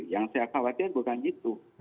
yang saya khawatir bukan itu